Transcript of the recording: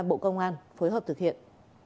bộ công an phối hợp thực hiện